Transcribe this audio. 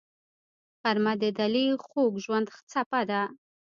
غرمه د دلي خوږ ژوند څپه ده